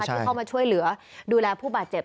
ที่เข้ามาช่วยเหลือดูแลผู้บาดเจ็บ